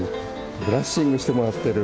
ブラッシングしてもらってる。